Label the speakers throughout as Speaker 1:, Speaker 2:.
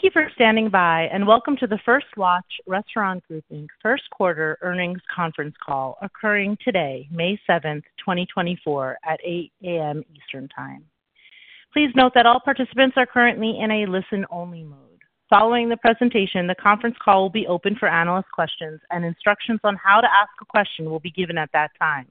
Speaker 1: Thank you for standing by, and welcome to the First Watch Restaurant Group, Inc. first quarter earnings conference call occurring today, May seventh, 2024, at 8:00 A.M. Eastern Time. Please note that all participants are currently in a listen-only mode. Following the presentation, the conference call will be open for analyst questions, and instructions on how to ask a question will be given at that time.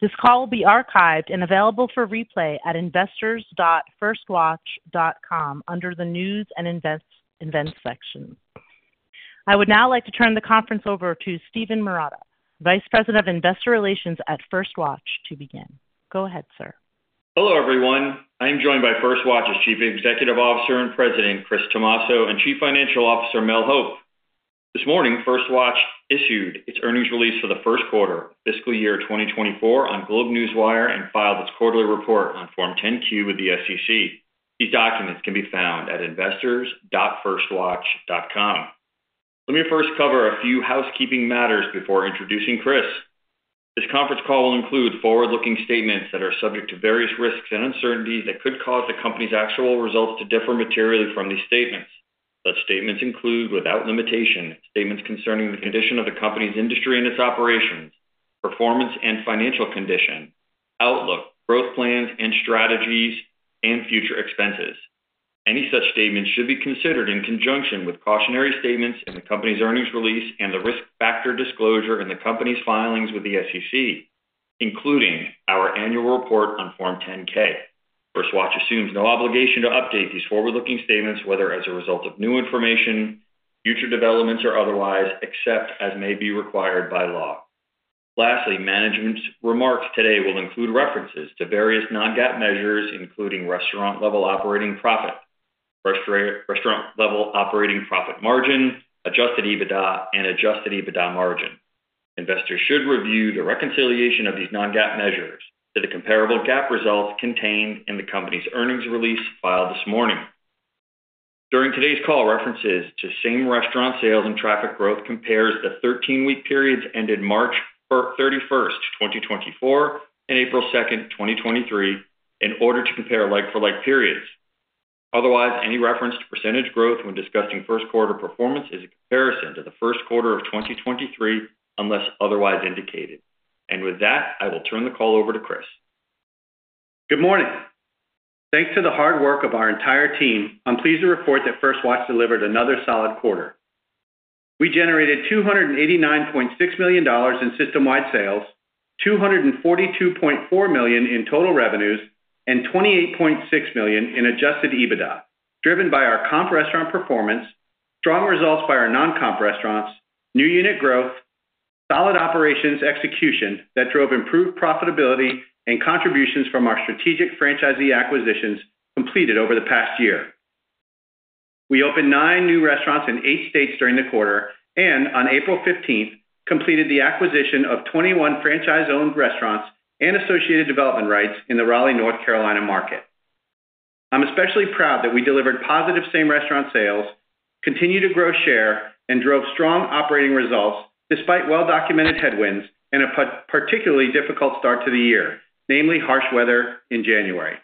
Speaker 1: This call will be archived and available for replay at investors.firstwatch.com under the News and Invest, Events section. I would now like to turn the conference over to Steven Marotta, Vice President of Investor Relations at First Watch, to begin. Go ahead, sir.
Speaker 2: Hello, everyone. I am joined by First Watch's Chief Executive Officer and President, Chris Tomasso, and Chief Financial Officer, Mel Hope. This morning, First Watch issued its earnings release for the first quarter fiscal year 2024 on GlobeNewswire and filed its quarterly report on Form 10-Q with the SEC. These documents can be found at investors.firstwatch.com. Let me first cover a few housekeeping matters before introducing Chris. This conference call will include forward-looking statements that are subject to various risks and uncertainties that could cause the company's actual results to differ materially from these statements. Such statements include, without limitation, statements concerning the condition of the company's industry and its operations, performance and financial condition, outlook, growth plans and strategies, and future expenses. Any such statements should be considered in conjunction with cautionary statements in the company's earnings release and the risk factor disclosure in the company's filings with the SEC, including our annual report on Form 10-K. First Watch assumes no obligation to update these forward-looking statements, whether as a result of new information, future developments, or otherwise, except as may be required by law. Lastly, management's remarks today will include references to various non-GAAP measures, including restaurant-level operating profit, restaurant-level operating profit margin, Adjusted EBITDA, and Adjusted EBITDA margin. Investors should review the reconciliation of these non-GAAP measures to the comparable GAAP results contained in the company's earnings release filed this morning. During today's call, references to same-restaurant sales and traffic growth compares the 13-week periods ended March 31, 2024, and April 2, 2023, in order to compare like-for-like periods. Otherwise, any reference to percentage growth when discussing first quarter performance is a comparison to the first quarter of 2023, unless otherwise indicated. With that, I will turn the call over to Chris.
Speaker 3: Good morning! Thanks to the hard work of our entire team, I'm pleased to report that First Watch delivered another solid quarter. We generated $289.6 million in system-wide sales, $242.4 million in total revenues, and $28.6 million in adjusted EBITDA, driven by our comp restaurant performance, strong results by our non-comp restaurants, new unit growth, solid operations execution that drove improved profitability and contributions from our strategic franchisee acquisitions completed over the past year. We opened nine new restaurants in eight states during the quarter, and on April fifteenth, completed the acquisition of 21 franchise-owned restaurants and associated development rights in the Raleigh, North Carolina, market. I'm especially proud that we delivered positive same-restaurant sales, continued to grow share, and drove strong operating results, despite well-documented headwinds and a particularly difficult start to the year, namely harsh weather in January.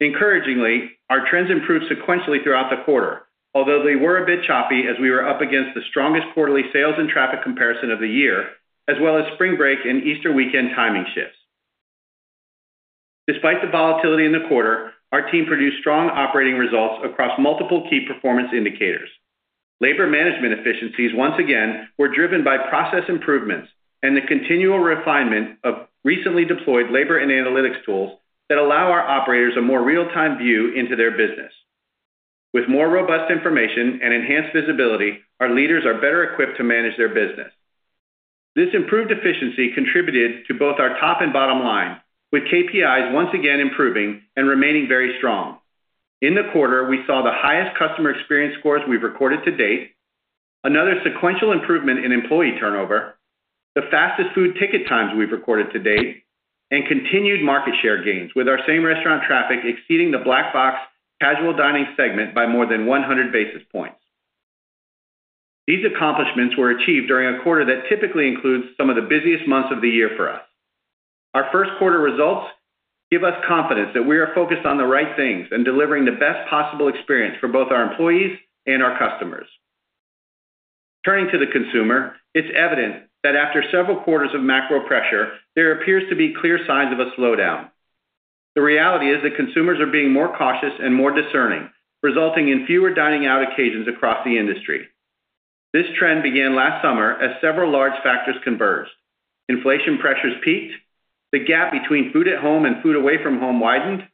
Speaker 3: Encouragingly, our trends improved sequentially throughout the quarter, although they were a bit choppy as we were up against the strongest quarterly sales and traffic comparison of the year, as well as spring break and Easter weekend timing shifts. Despite the volatility in the quarter, our team produced strong operating results across multiple key performance indicators. Labor management efficiencies, once again, were driven by process improvements and the continual refinement of recently deployed labor and analytics tools that allow our operators a more real-time view into their business. With more robust information and enhanced visibility, our leaders are better equipped to manage their business. This improved efficiency contributed to both our top and bottom line, with KPIs once again improving and remaining very strong. In the quarter, we saw the highest customer experience scores we've recorded to date, another sequential improvement in employee turnover, the fastest food ticket times we've recorded to date, and continued market share gains, with our same-restaurant traffic exceeding the Black Box Casual Dining segment by more than 100 basis points. These accomplishments were achieved during a quarter that typically includes some of the busiest months of the year for us. Our first quarter results give us confidence that we are focused on the right things and delivering the best possible experience for both our employees and our customers. Turning to the consumer, it's evident that after several quarters of macro pressure, there appears to be clear signs of a slowdown. The reality is that consumers are being more cautious and more discerning, resulting in fewer dining out occasions across the industry. This trend began last summer as several large factors converged. Inflation pressures peaked, the gap between food at home and food away from home widened,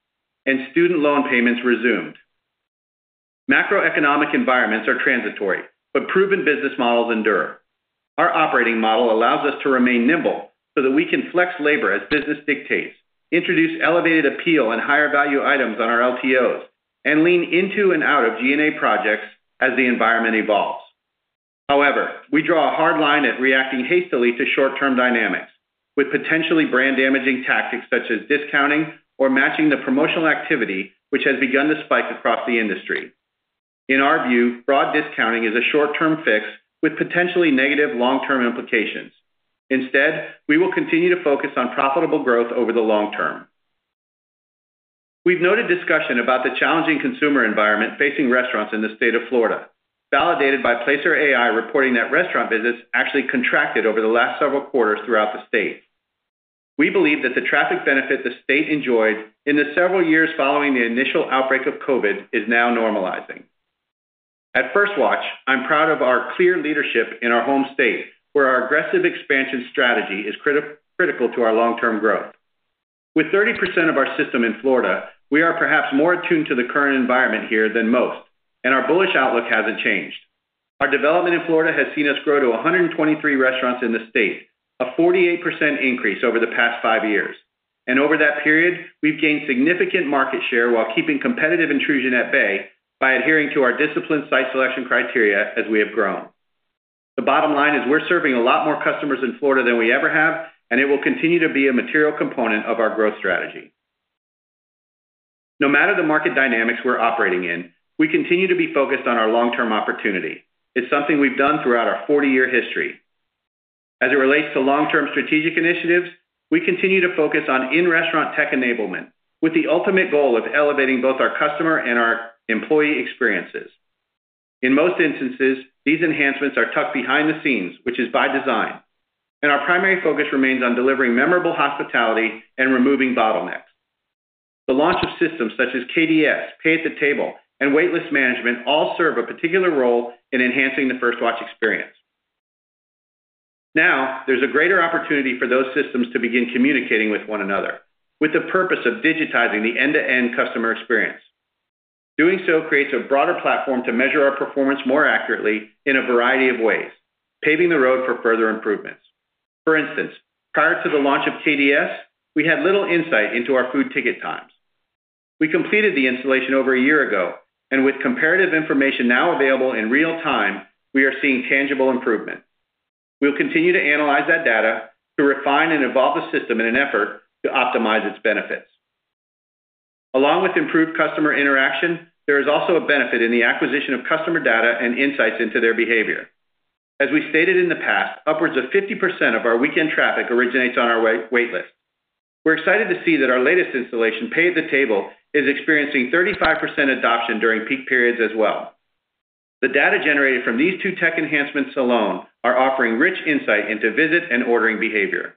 Speaker 3: and student loan payments resumed. Macroeconomic environments are transitory, but proven business models endure. Our operating model allows us to remain nimble so that we can flex labor as business dictates, introduce elevated appeal and higher value items on our LTOs, and lean into and out of G&A projects as the environment evolves. However, we draw a hard line at reacting hastily to short-term dynamics with potentially brand-damaging tactics such as discounting or matching the promotional activity, which has begun to spike across the industry. In our view, broad discounting is a short-term fix with potentially negative long-term implications. Instead, we will continue to focus on profitable growth over the long term. We've noted discussion about the challenging consumer environment facing restaurants in the state of Florida, validated by Placer.ai reporting that restaurant visits actually contracted over the last several quarters throughout the state. We believe that the traffic benefit the state enjoyed in the several years following the initial outbreak of COVID is now normalizing. At First Watch, I'm proud of our clear leadership in our home state, where our aggressive expansion strategy is critical to our long-term growth. With 30% of our system in Florida, we are perhaps more attuned to the current environment here than most, and our bullish outlook hasn't changed. Our development in Florida has seen us grow to 123 restaurants in the state, a 48% increase over the past 5 years, and over that period, we've gained significant market share while keeping competitive intrusion at bay by adhering to our disciplined site selection criteria as we have grown. The bottom line is we're serving a lot more customers in Florida than we ever have, and it will continue to be a material component of our growth strategy. No matter the market dynamics we're operating in, we continue to be focused on our long-term opportunity. It's something we've done throughout our 40-year history. As it relates to long-term strategic initiatives, we continue to focus on in-restaurant tech enablement, with the ultimate goal of elevating both our customer and our employee experiences. In most instances, these enhancements are tucked behind the scenes, which is by design, and our primary focus remains on delivering memorable hospitality and removing bottlenecks. The launch of systems such as KDS, Pay at the Table, and Waitlist Management all serve a particular role in enhancing the First Watch experience. Now, there's a greater opportunity for those systems to begin communicating with one another, with the purpose of digitizing the end-to-end customer experience. Doing so creates a broader platform to measure our performance more accurately in a variety of ways, paving the road for further improvements. For instance, prior to the launch of KDS, we had little insight into our food ticket times. We completed the installation over a year ago, and with comparative information now available in real time, we are seeing tangible improvement. We'll continue to analyze that data to refine and evolve the system in an effort to optimize its benefits. Along with improved customer interaction, there is also a benefit in the acquisition of customer data and insights into their behavior. As we stated in the past, upwards of 50% of our weekend traffic originates on our waitlist. We're excited to see that our latest installation, Pay at the Table, is experiencing 35% adoption during peak periods as well. The data generated from these two tech enhancements alone are offering rich insight into visit and ordering behavior.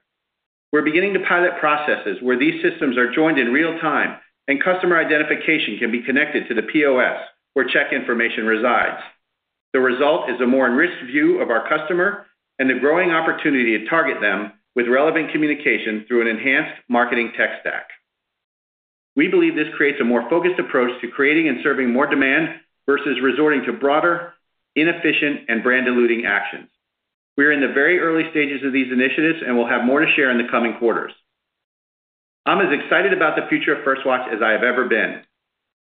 Speaker 3: We're beginning to pilot processes where these systems are joined in real time and customer identification can be connected to the POS, where check information resides. The result is a more enriched view of our customer and the growing opportunity to target them with relevant communication through an enhanced marketing tech stack. We believe this creates a more focused approach to creating and serving more demand versus resorting to broader, inefficient, and brand-diluting actions. We are in the very early stages of these initiatives, and we'll have more to share in the coming quarters. I'm as excited about the future of First Watch as I have ever been.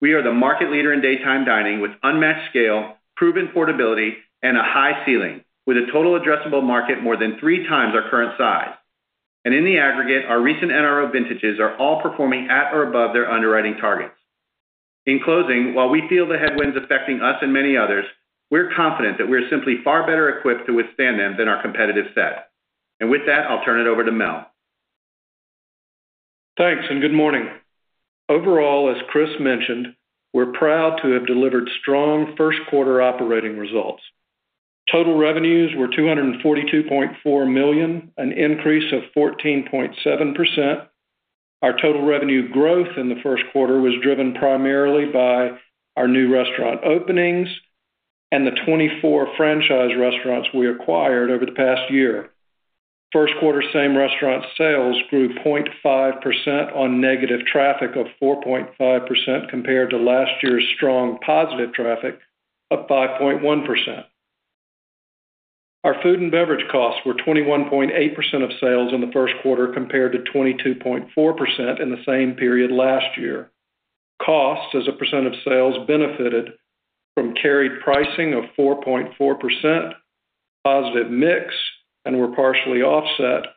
Speaker 3: We are the market leader in Daytime Dining with unmatched scale, proven portability, and a high ceiling, with a total addressable market more than three times our current size. In the aggregate, our recent NRO vintages are all performing at or above their underwriting targets. In closing, while we feel the headwinds affecting us and many others, we're confident that we are simply far better equipped to withstand them than our competitive set. With that, I'll turn it over to Mel.
Speaker 4: Thanks, and good morning. Overall, as Chris mentioned, we're proud to have delivered strong first quarter operating results. Total revenues were $242.4 million, an increase of 14.7%. Our total revenue growth in the first quarter was driven primarily by our new restaurant openings and the 24 franchise restaurants we acquired over the past year. First quarter same restaurant sales grew 0.5% on negative traffic of 4.5% compared to last year's strong positive traffic of 5.1%. Our food and beverage costs were 21.8% of sales in the first quarter, compared to 22.4% in the same period last year. Costs as a percent of sales benefited from carried pricing of 4.4%, positive mix, and were partially offset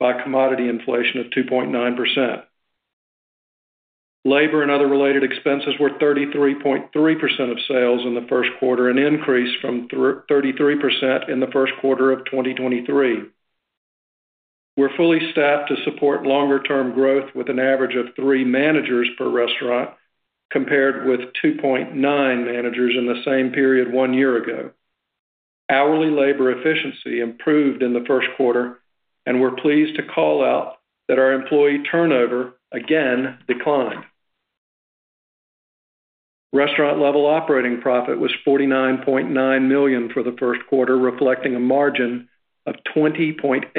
Speaker 4: by commodity inflation of 2.9%. Labor and other related expenses were 33.3% of sales in the first quarter, an increase from 33% in the first quarter of 2023. We're fully staffed to support longer-term growth, with an average of three managers per restaurant, compared with 2.9 managers in the same period one year ago. Hourly labor efficiency improved in the first quarter, and we're pleased to call out that our employee turnover again declined. Restaurant-level operating profit was $49.9 million for the first quarter, reflecting a margin of 20.8%.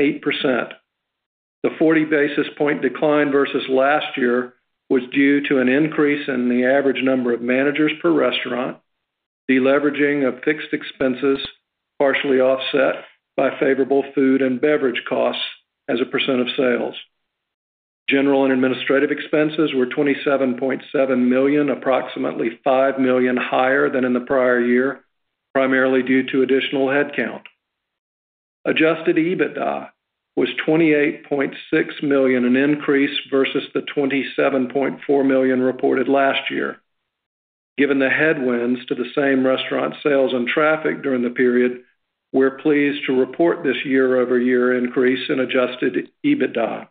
Speaker 4: The 40 basis point decline versus last year was due to an increase in the average number of managers per restaurant, deleveraging of fixed expenses, partially offset by favorable food and beverage costs as a % of sales. General and administrative expenses were $27.7 million, approximately $5 million higher than in the prior year, primarily due to additional headcount. Adjusted EBITDA was $28.6 million, an increase versus the $27.4 million reported last year. Given the headwinds to the same-restaurant sales and traffic during the period, we're pleased to report this year-over-year increase in Adjusted EBITDA.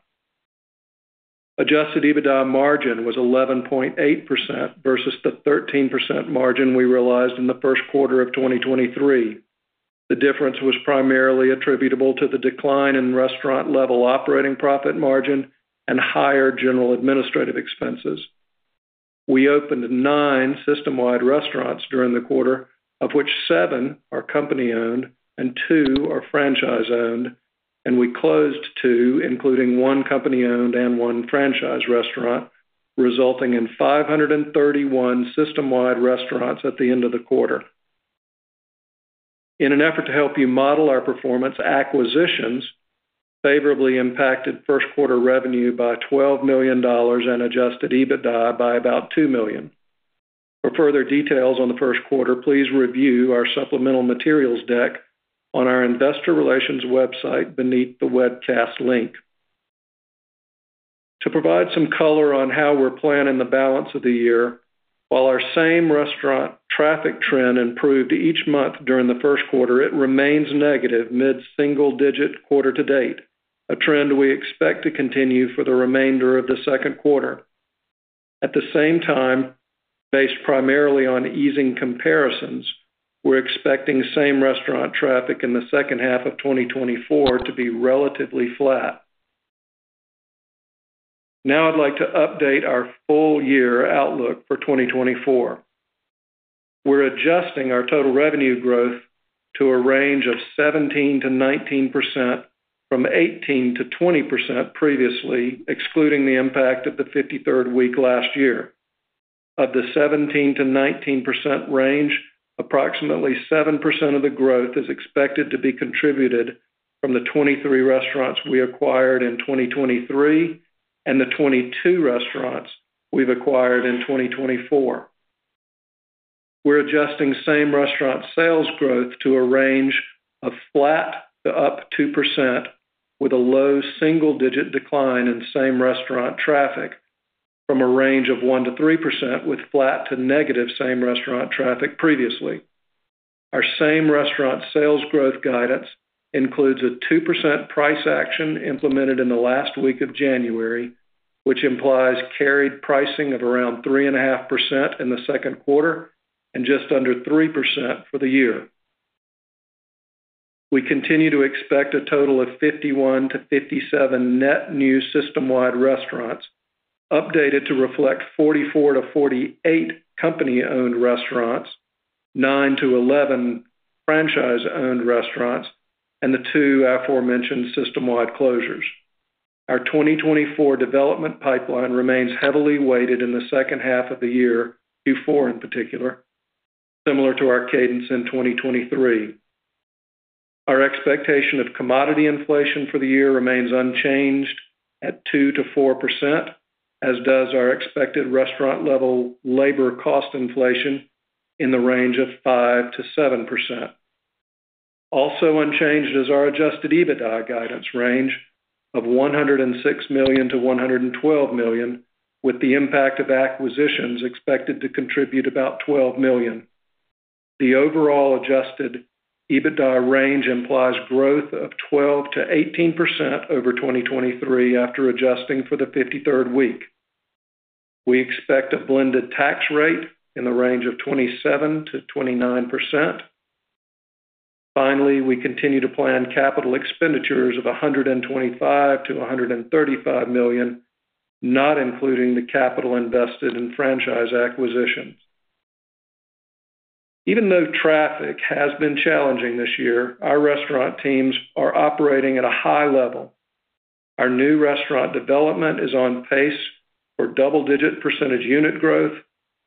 Speaker 4: Adjusted EBITDA margin was 11.8% versus the 13% margin we realized in the first quarter of 2023. The difference was primarily attributable to the decline in restaurant-level operating profit margin and higher general and administrative expenses. We opened 9 system-wide restaurants during the quarter, of which 7 are company-owned and 2 are franchise-owned, and we closed 2, including 1 company-owned and 1 franchise restaurant, resulting in 531 system-wide restaurants at the end of the quarter. In an effort to help you model our performance, acquisitions favorably impacted first quarter revenue by $12 million and Adjusted EBITDA by about $2 million. For further details on the first quarter, please review our supplemental materials deck on our investor relations website beneath the webcast link. To provide some color on how we're planning the balance of the year, while our same-restaurant traffic trend improved each month during the first quarter, it remains negative mid-single digit quarter to date, a trend we expect to continue for the remainder of the second quarter. At the same time, based primarily on easing comparisons, we're expecting same-restaurant traffic in the second half of 2024 to be relatively flat. Now I'd like to update our full year outlook for 2024. We're adjusting our total revenue growth to a range of 17%-19% from 18%-20% previously, excluding the impact of the 53rd week last year. Of the 17%-19% range, approximately 7% of the growth is expected to be contributed from the 23 restaurants we acquired in 2023 and the 22 restaurants we've acquired in 2024. We're adjusting same-restaurant sales growth to a range of flat to +2%, with a low single-digit decline in same-restaurant traffic from a range of 1%-3%, with flat to negative same-restaurant traffic previously. Our same-restaurant sales growth guidance includes a 2% price action implemented in the last week of January, which implies carried pricing of around 3.5% in the second quarter and just under 3% for the year. We continue to expect a total of 51-57 net new system-wide restaurants, updated to reflect 44-48 company-owned restaurants, 9-11 franchise-owned restaurants, and the two aforementioned system-wide closures. Our 2024 development pipeline remains heavily weighted in the second half of the year, Q4 in particular, similar to our cadence in 2023. Our expectation of commodity inflation for the year remains unchanged at 2%-4%, as does our expected restaurant-level labor cost inflation in the range of 5%-7%. Also unchanged is our adjusted EBITDA guidance range of $106 million-$112 million, with the impact of acquisitions expected to contribute about $12 million. The overall adjusted EBITDA range implies growth of 12%-18% over 2023 after adjusting for the 53rd week. We expect a blended tax rate in the range of 27%-29%. Finally, we continue to plan capital expenditures of $125 million-$135 million, not including the capital invested in franchise acquisitions. Even though traffic has been challenging this year, our restaurant teams are operating at a high level. Our new restaurant development is on pace for double-digit % unit growth,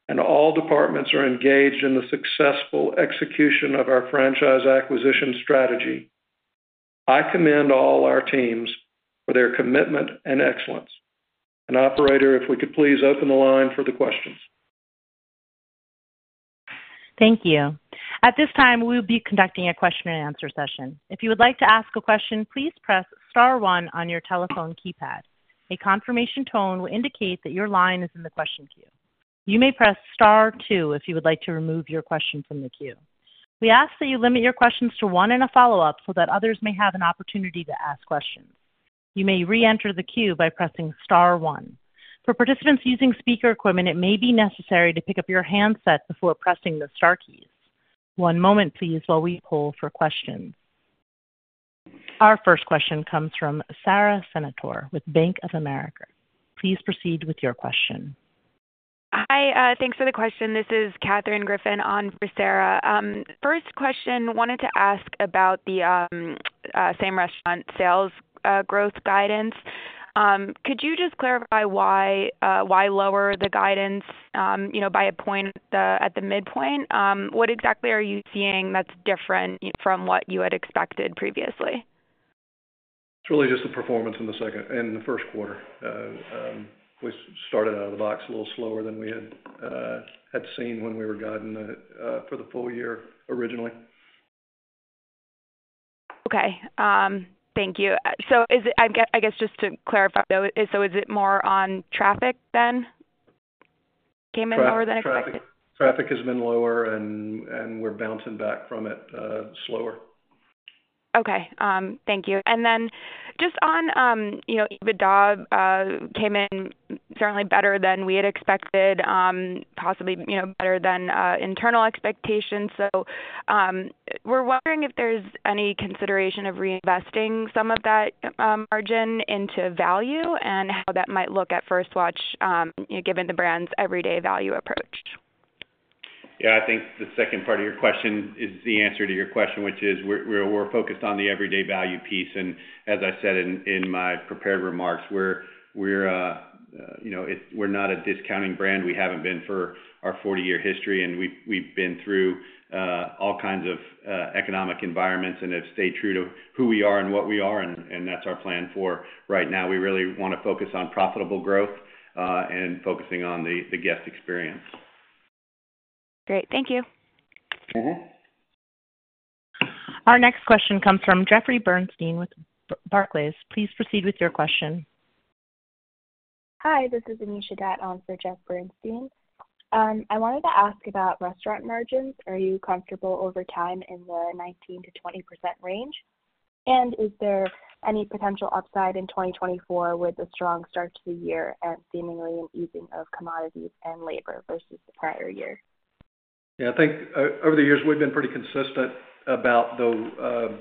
Speaker 4: and all departments are engaged in the successful execution of our franchise acquisition strategy. I commend all our teams for their commitment and excellence. Operator, if we could please open the line for the questions?
Speaker 1: Thank you. At this time, we'll be conducting a question-and-answer session. If you would like to ask a question, please press star one on your telephone keypad. A confirmation tone will indicate that your line is in the question queue. You may press star two if you would like to remove your question from the queue. We ask that you limit your questions to one and a follow-up so that others may have an opportunity to ask questions. You may reenter the queue by pressing star one. For participants using speaker equipment, it may be necessary to pick up your handset before pressing the star keys. One moment please, while we poll for questions. Our first question comes from Sara Senatore with Bank of America. Please proceed with your question.
Speaker 5: Hi, thanks for the question. This is Katherine Griffin on for Sara. First question, wanted to ask about the same-restaurant sales growth guidance. Could you just clarify why lower the guidance, you know, by a point at the midpoint? What exactly are you seeing that's different from what you had expected previously?
Speaker 4: It's really just the performance in the first quarter. We started out of the box a little slower than we had seen when we were guiding for the full year originally....
Speaker 5: Okay, thank you. So is it, I guess, just to clarify, though, so is it more on traffic then, came in lower than expected?
Speaker 4: Traffic, traffic has been lower, and, and we're bouncing back from it, slower.
Speaker 5: Okay, thank you. And then just on, you know, EBITDA, came in certainly better than we had expected, possibly, you know, better than, internal expectations. So, we're wondering if there's any consideration of reinvesting some of that, margin into value and how that might look at First Watch, given the brand's everyday value approach?
Speaker 3: Yeah, I think the second part of your question is the answer to your question, which is we're focused on the everyday value piece. And as I said in my prepared remarks, we're, you know, we're not a discounting brand. We haven't been for our 40-year history, and we've been through all kinds of economic environments and have stayed true to who we are and what we are, and that's our plan for right now. We really wanna focus on profitable growth, and focusing on the guest experience.
Speaker 5: Great. Thank you.
Speaker 1: Our next question comes from Jeffrey Bernstein with Barclays. Please proceed with your question.
Speaker 6: Hi, this is Anisha Datt on for Jeff Bernstein. I wanted to ask about restaurant margins. Are you comfortable over time in the 19%-20% range? And is there any potential upside in 2024 with a strong start to the year and seemingly an easing of commodities and labor versus the prior year?
Speaker 4: Yeah, I think over the years, we've been pretty consistent about the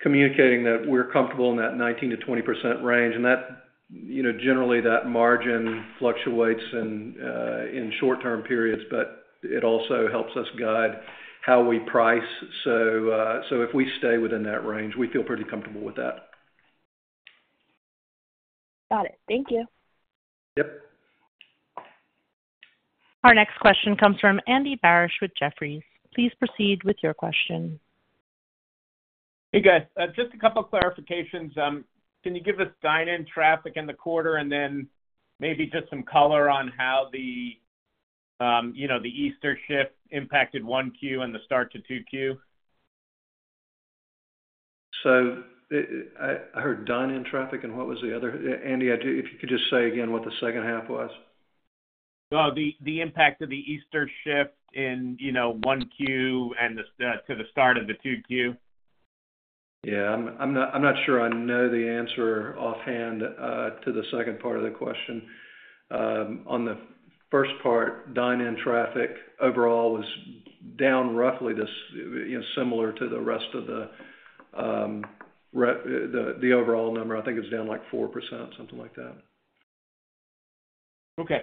Speaker 4: communicating that we're comfortable in that 19%-20% range, and that, you know, generally, that margin fluctuates in in short-term periods, but it also helps us guide how we price. So, so if we stay within that range, we feel pretty comfortable with that.
Speaker 6: Got it. Thank you.
Speaker 4: Yep.
Speaker 1: Our next question comes from Andy Barish with Jefferies. Please proceed with your question.
Speaker 7: Hey, guys, just a couple clarifications. Can you give us dine-in traffic in the quarter, and then maybe just some color on how the, you know, the Easter shift impacted 1Q and the start to 2Q?
Speaker 4: So I heard dine-in traffic, and what was the other? Andy, I do... If you could just say again what the second half was.
Speaker 7: Well, the impact of the Easter shift in, you know, 1Q and to the start of the 2Q.
Speaker 4: Yeah, I'm not sure I know the answer offhand to the second part of the question. On the first part, dine-in traffic overall was down roughly this, you know, similar to the rest of the overall number. I think it's down, like, 4%, something like that.
Speaker 7: Okay.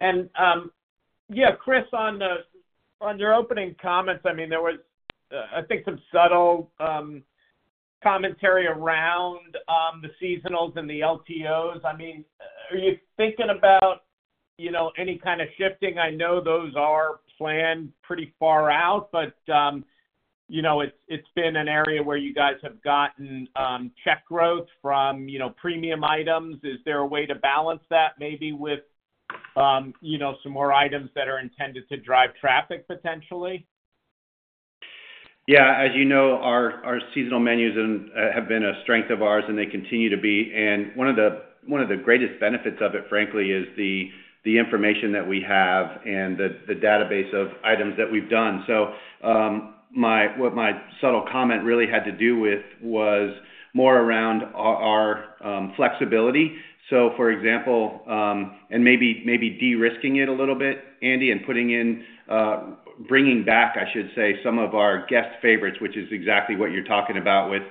Speaker 7: And yeah, Chris, on your opening comments, I mean, there was, I think, some subtle commentary around the seasonals and the LTOs. I mean, are you thinking about, you know, any kind of shifting? I know those are planned pretty far out, but you know, it's been an area where you guys have gotten check growth from, you know, premium items. Is there a way to balance that maybe with you know, some more items that are intended to drive traffic potentially?
Speaker 3: Yeah, as you know, our seasonal menus have been a strength of ours, and they continue to be. And one of the greatest benefits of it, frankly, is the information that we have and the database of items that we've done. So, my subtle comment really had to do with was more around our flexibility. So for example, and maybe de-risking it a little bit, Andy, and putting in, bringing back, I should say, some of our guest favorites, which is exactly what you're talking about with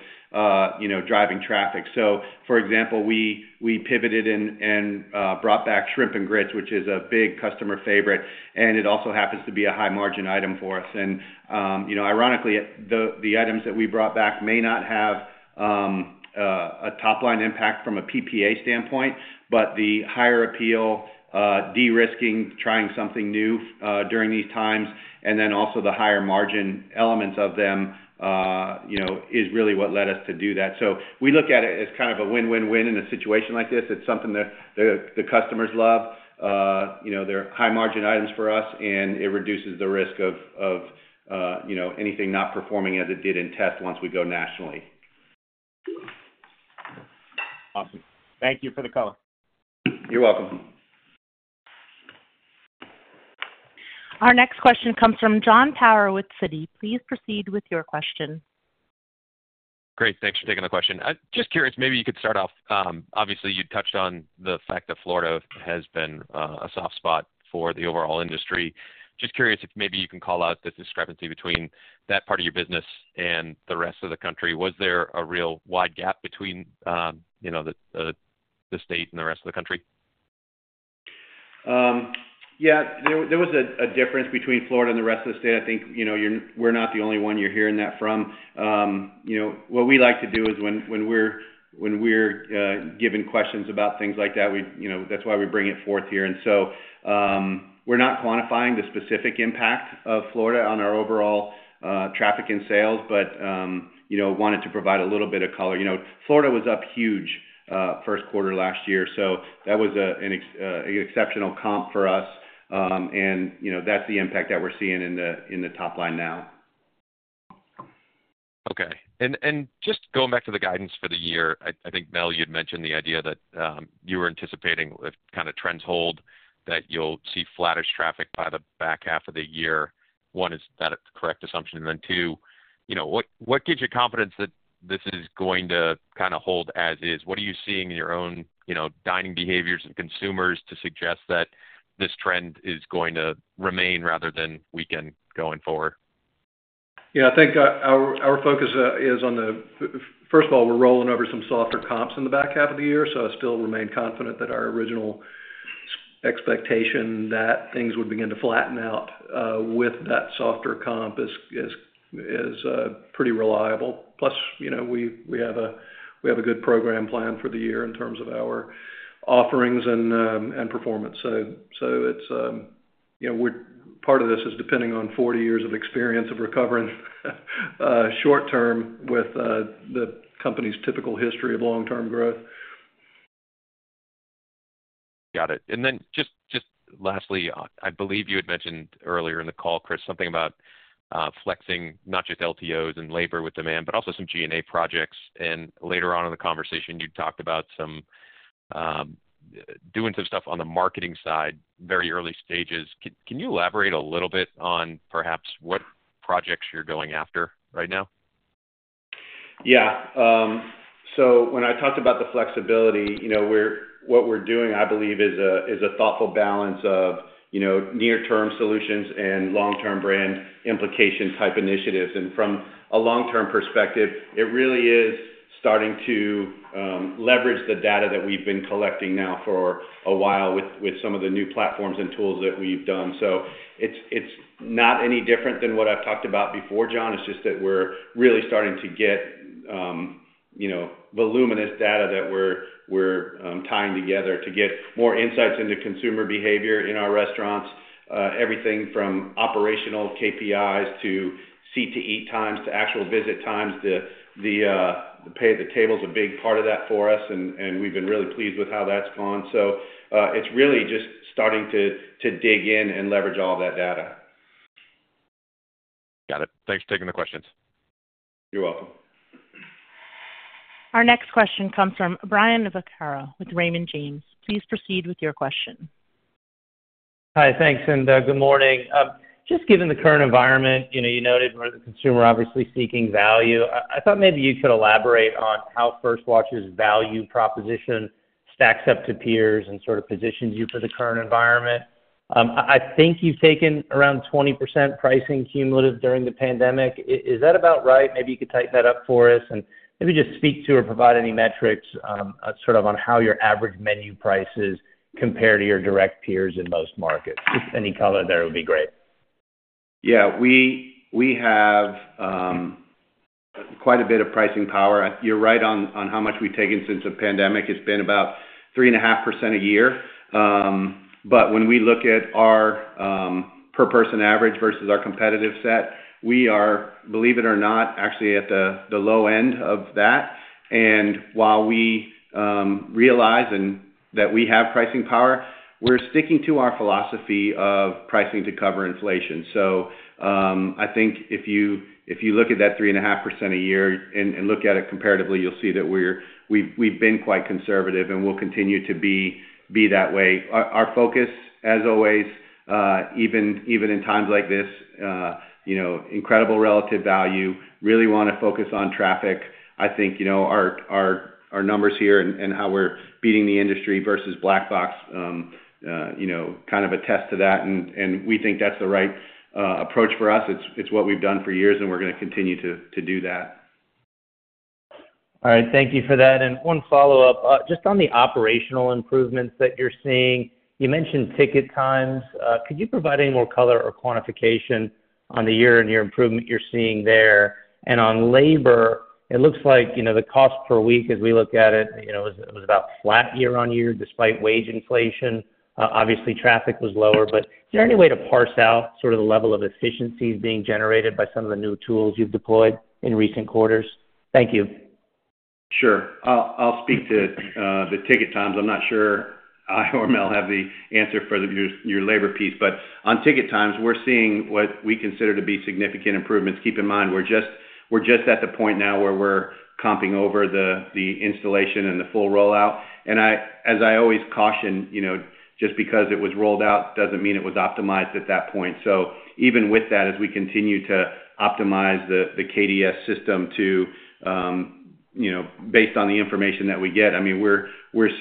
Speaker 3: you know, driving traffic. So for example, we pivoted and brought back Shrimp and Grits, which is a big customer favorite, and it also happens to be a high-margin item for us. You know, ironically, the items that we brought back may not have a top-line impact from a PPA standpoint, but the higher appeal, de-risking, trying something new during these times, and then also the higher margin elements of them, you know, is really what led us to do that. So we look at it as kind of a win-win-win in a situation like this. It's something that the customers love. You know, they're high-margin items for us, and it reduces the risk of you know anything not performing as it did in test once we go nationally.
Speaker 7: Awesome. Thank you for the color.
Speaker 3: You're welcome.
Speaker 1: Our next question comes from Jon Tower with Citi. Please proceed with your question.
Speaker 8: Great. Thanks for taking the question. Just curious, maybe you could start off, obviously, you touched on the fact that Florida has been a soft spot for the overall industry. Just curious if maybe you can call out the discrepancy between that part of your business and the rest of the country. Was there a real wide gap between, you know, the state and the rest of the country?
Speaker 3: Yeah, there was a difference between Florida and the rest of the state. I think, you know, you're—we're not the only one you're hearing that from. You know, what we like to do is when we're giving questions about things like that, we, you know, that's why we bring it forth here. So, we're not quantifying the specific impact of Florida on our overall traffic and sales, but, you know, wanted to provide a little bit of color. You know, Florida was up huge, first quarter last year, so that was an exceptional comp for us. And, you know, that's the impact that we're seeing in the top line now....
Speaker 8: Okay. Just going back to the guidance for the year, I think, Mel, you'd mentioned the idea that you were anticipating if kind of trends hold, that you'll see flattish traffic by the back half of the year. One, is that a correct assumption? And then two, you know, what gives you confidence that this is going to kind of hold as is? What are you seeing in your own, you know, dining behaviors and consumers to suggest that this trend is going to remain rather than weaken going forward?
Speaker 4: Yeah, I think our focus is on the first of all, we're rolling over some softer comps in the back half of the year, so I still remain confident that our original expectation that things would begin to flatten out with that softer comp is pretty reliable. Plus, you know, we have a good program plan for the year in terms of our offerings and performance. So it's you know, part of this is depending on 40 years of experience of recovering short-term with the company's typical history of long-term growth.
Speaker 8: Got it. And then just lastly, I believe you had mentioned earlier in the call, Chris, something about flexing, not just LTOs and labor with demand, but also some G&A projects. And later on in the conversation, you talked about some doing some stuff on the marketing side, very early stages. Can you elaborate a little bit on perhaps what projects you're going after right now?
Speaker 3: Yeah. So when I talked about the flexibility, you know, we're—what we're doing, I believe, is a thoughtful balance of, you know, near-term solutions and long-term brand implication type initiatives. And from a long-term perspective, it really is starting to leverage the data that we've been collecting now for a while, with some of the new platforms and tools that we've done. So it's not any different than what I've talked about before, Jon. It's just that we're really starting to get, you know, voluminous data that we're tying together to get more insights into consumer behavior in our restaurants. Everything from operational KPIs to seat to eat times, to actual visit times. The Pay at the Table is a big part of that for us, and we've been really pleased with how that's gone. So, it's really just starting to dig in and leverage all that data.
Speaker 8: Got it. Thanks for taking the questions.
Speaker 3: You're welcome.
Speaker 1: Our next question comes from Brian Vaccaro with Raymond James. Please proceed with your question.
Speaker 9: Hi. Thanks, and good morning. Just given the current environment, you know, you noted where the consumer is obviously seeking value. I, I thought maybe you could elaborate on how First Watch's value proposition stacks up to peers and sort of positions you for the current environment. I, I think you've taken around 20% pricing cumulative during the pandemic. Is that about right? Maybe you could type that up for us, and maybe just speak to or provide any metrics, sort of on how your average menu prices compare to your direct peers in most markets. Just any color there would be great.
Speaker 3: Yeah, we have quite a bit of pricing power. You're right on how much we've taken since the pandemic. It's been about 3.5% a year. But when we look at our per person average versus our competitive set, we are, believe it or not, actually at the low end of that. And while we realize that we have pricing power, we're sticking to our philosophy of pricing to cover inflation. So, I think if you look at that 3.5% a year and look at it comparatively, you'll see that we've been quite conservative, and we'll continue to be that way. Our focus as always, even in times like this, you know, incredible relative value, really wanna focus on traffic. I think, you know, our numbers here and how we're beating the industry versus Black Box, you know, kind of attest to that, and we think that's the right approach for us. It's what we've done for years, and we're gonna continue to do that.
Speaker 9: All right. Thank you for that. And one follow-up. Just on the operational improvements that you're seeing, you mentioned ticket times. Could you provide any more color or quantification on the year and year improvement you're seeing there? And on labor, it looks like, you know, the cost per week as we look at it, you know, it was, it was about flat year on year, despite wage inflation. Obviously, traffic was lower, but is there any way to parse out sort of the level of efficiencies being generated by some of the new tools you've deployed in recent quarters? Thank you.
Speaker 3: Sure. I'll speak to the ticket times. I'm not sure I or Mel have the answer for your labor piece. But on ticket times, we're seeing what we consider to be significant improvements. Keep in mind, we're just at the point now where we're comping over the installation and the full rollout. And as I always caution, you know, just because it was rolled out, doesn't mean it was optimized at that point. So even with that, as we continue to optimize the KDS system to, you know, based on the information that we get, I mean, we're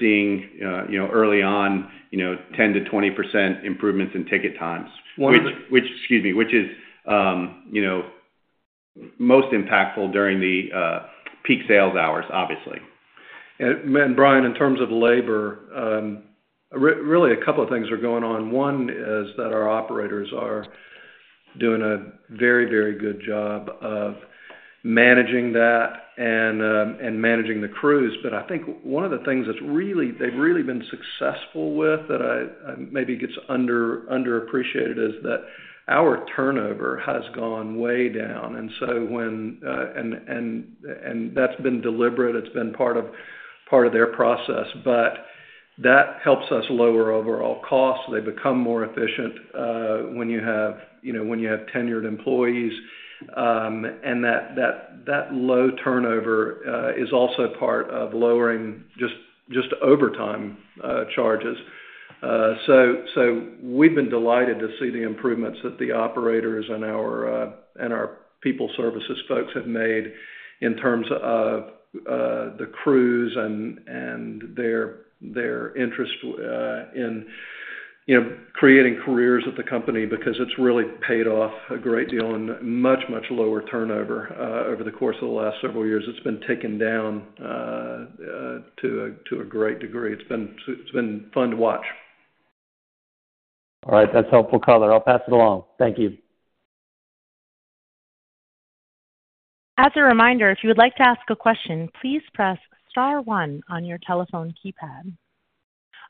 Speaker 3: seeing, you know, early on, 10%-20% improvements in ticket times.
Speaker 9: One-
Speaker 3: Excuse me, which is, you know, most impactful during the peak sales hours, obviously.
Speaker 4: And Brian, in terms of labor, really a couple of things are going on. One is that our operators are doing a very, very good job of managing that and managing the crews. But I think one of the things that's really they've really been successful with, that I maybe gets underappreciated, is that our turnover has gone way down. And so when... And that's been deliberate, it's been part of their process. But,...
Speaker 3: That helps us lower overall costs. They become more efficient when you have, you know, when you have tenured employees, and that low turnover is also part of lowering just overtime charges. So we've been delighted to see the improvements that the operators and our People Services folks have made in terms of the crews and their interest in, you know, creating careers at the company, because it's really paid off a great deal and much lower turnover. Over the course of the last several years, it's been taken down to a great degree. It's been fun to watch.
Speaker 9: All right. That's helpful color. I'll pass it along. Thank you.
Speaker 1: As a reminder, if you would like to ask a question, please press star one on your telephone keypad.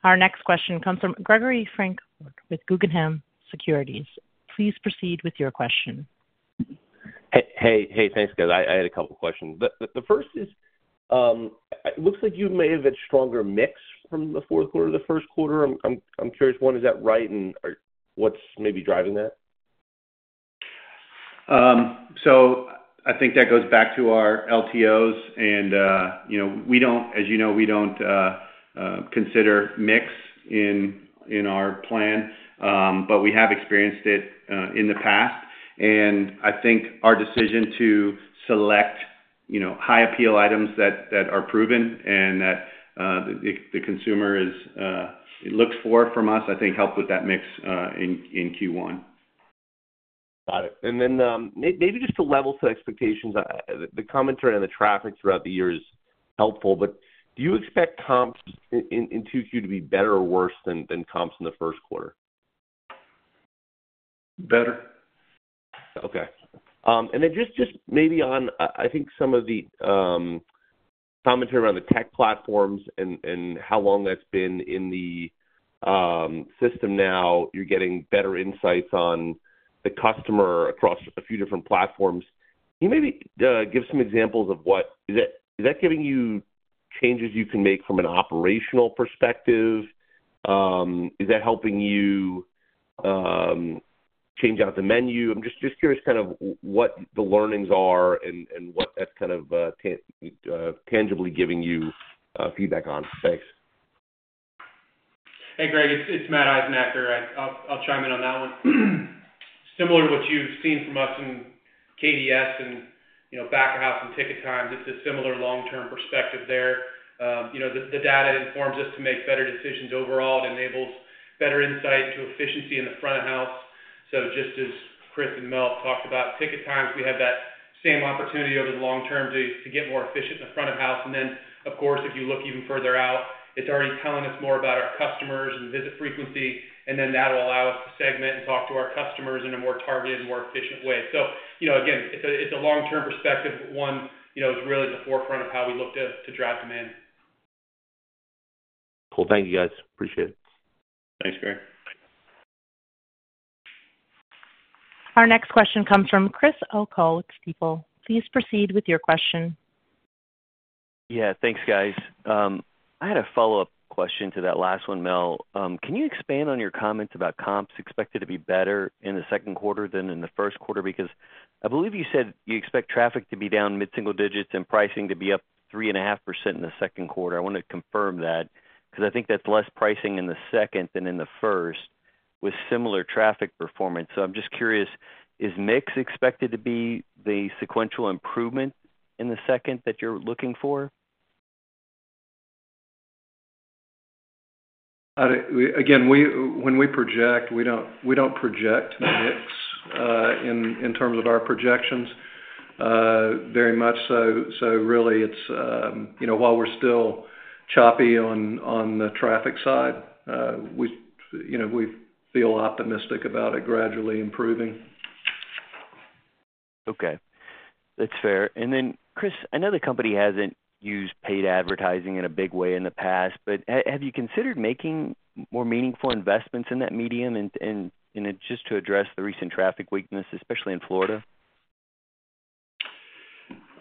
Speaker 1: Our next question comes from Gregory Francfort with Guggenheim Securities. Please proceed with your question.
Speaker 10: Hey, hey, thanks, guys. I had a couple questions. The first is, it looks like you may have had stronger mix from the fourth quarter to the first quarter. I'm curious, one, is that right? And are... what's maybe driving that?
Speaker 3: So, I think that goes back to our LTOs and, you know, we don't—as you know, we don't consider mix in our plan, but we have experienced it in the past. And I think our decision to select, you know, high appeal items that are proven and that the consumer looks for from us, I think helped with that mix in Q1.
Speaker 10: Got it, and then, maybe just to level set expectations, the commentary on the traffic throughout the year is helpful, but do you expect comps in Q2 to be better or worse than comps in the first quarter?
Speaker 3: Better.
Speaker 10: Okay. And then just, just maybe on, I think some of the commentary around the tech platforms and how long that's been in the system now, you're getting better insights on the customer across a few different platforms. Can you maybe give some examples of what is that giving you changes you can make from an operational perspective? Is that helping you change out the menu? I'm just curious kind of what the learnings are and what that's kind of tangibly giving you feedback on. Thanks.
Speaker 11: Hey, Greg, it's Matt Eisenacher. I'll chime in on that one. Similar to what you've seen from us in KDS and, you know, back of house and ticket times, it's a similar long-term perspective there. You know, the data informs us to make better decisions overall. It enables better insight into efficiency in the front of house. So just as Chris and Mel talked about, ticket times, we have that same opportunity over the long term to get more efficient in the front of house. And then, of course, if you look even further out, it's already telling us more about our customers and visit frequency, and then that'll allow us to segment and talk to our customers in a more targeted and more efficient way. You know, again, it's a long-term perspective. One, you know, is really at the forefront of how we looked at to drive demand.
Speaker 10: Cool. Thank you, guys. Appreciate it.
Speaker 11: Thanks, Greg.
Speaker 1: Our next question comes from Chris O'Cull, Stifel. Please proceed with your question.
Speaker 12: Yeah. Thanks, guys. I had a follow-up question to that last one, Mel. Can you expand on your comments about comps expected to be better in the second quarter than in the first quarter? Because I believe you said you expect traffic to be down mid-single digits and pricing to be up 3.5% in the second quarter. I want to confirm that, because I think that's less pricing in the second than in the first with similar traffic performance. So I'm just curious, is mix expected to be the sequential improvement in the second that you're looking for?
Speaker 4: I think we again, when we project, we don't, we don't project mix in terms of our projections very much. So really it's, you know, while we're still choppy on the traffic side, we, you know, we feel optimistic about it gradually improving.
Speaker 12: Okay. That's fair. And then, Chris, I know the company hasn't used paid advertising in a big way in the past, but have you considered making more meaningful investments in that medium and, you know, just to address the recent traffic weakness, especially in Florida?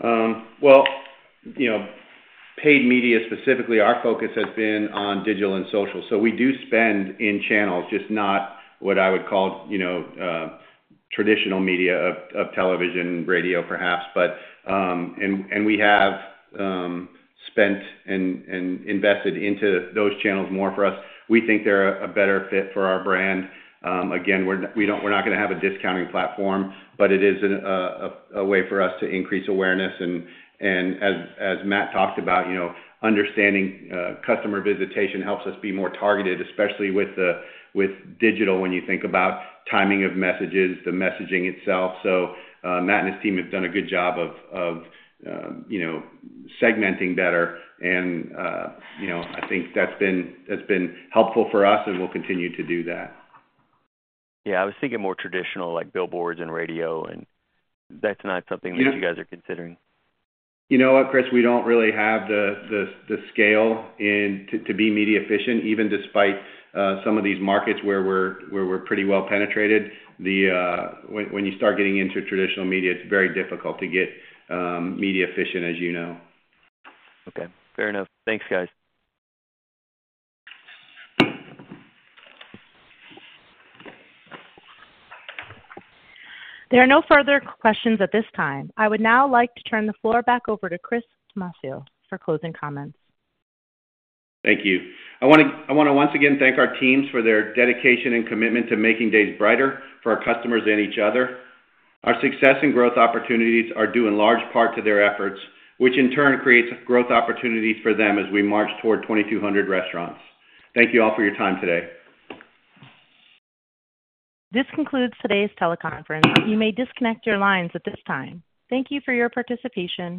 Speaker 3: Well, you know, paid media, specifically, our focus has been on digital and social. So we do spend in channels, just not what I would call, you know, traditional media of television, radio, perhaps. But we have spent and invested into those channels more for us. We think they're a better fit for our brand. Again, we're not gonna have a discounting platform, but it is a way for us to increase awareness. And as Matt talked about, you know, understanding customer visitation helps us be more targeted, especially with digital when you think about timing of messages, the messaging itself. So, Matt and his team have done a good job of segmenting better and, you know, I think that's been helpful for us, and we'll continue to do that.
Speaker 12: Yeah, I was thinking more traditional, like billboards and radio, and that's not something that you guys are considering.
Speaker 3: You know what, Chris? We don't really have the scale to be media efficient, even despite some of these markets where we're pretty well penetrated. When you start getting into traditional media, it's very difficult to get media efficient, as you know.
Speaker 12: Okay, fair enough. Thanks, guys.
Speaker 1: There are no further questions at this time. I would now like to turn the floor back over to Chris Tomasso for closing comments.
Speaker 3: Thank you. I wanna once again thank our teams for their dedication and commitment to making days brighter for our customers and each other. Our success and growth opportunities are due in large part to their efforts, which in turn creates growth opportunities for them as we march toward 2,200 restaurants. Thank you all for your time today.
Speaker 1: This concludes today's teleconference. You may disconnect your lines at this time. Thank you for your participation.